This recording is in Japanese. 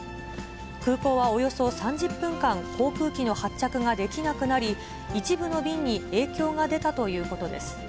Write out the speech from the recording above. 空港はおよそ３０分間、航空機の発着ができなくなり、一部の便に影響が出たということです。